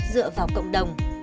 dựa vào cộng đồng